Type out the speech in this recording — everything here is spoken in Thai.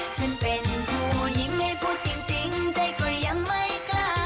ฉันเป็นผู้ยิ้มให้พูดจริงใจก็ยังไม่กล้า